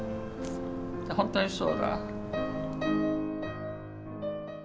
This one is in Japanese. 本当にそうだわ。